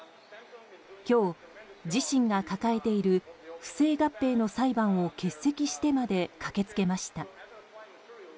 今日、自身が抱えている不正合併の裁判を欠席してまで駆けつけました。